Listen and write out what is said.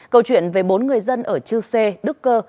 câu chuyện về bốn người dân ở chư sê đức cơ